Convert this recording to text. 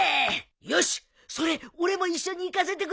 よしそれ俺も一緒に行かせてくれ！